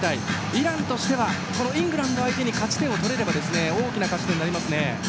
イランとしてはこのイングランド相手に勝ち点を取れれば大きな勝ち点になりますね。